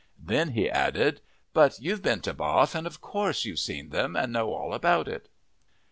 Then he added, "But you've been to Bath and of course you've seen them, and know all about it."